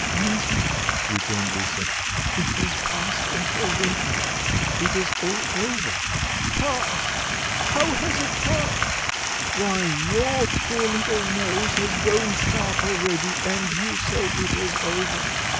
"Auntie," returned Lisa, "it has passed off already, it is all over." "Passed! how has it passed? Why, your poor little nose has grown sharp already and you say it is over.